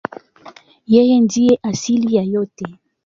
Yeye ndiye asili ya yote.